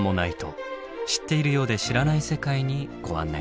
知っているようで知らない世界にご案内しましょう。